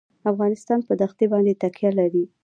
افغانستان په دښتې باندې تکیه لري.